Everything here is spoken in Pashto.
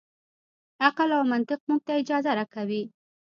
عقل او منطق موږ ته اجازه راکوي.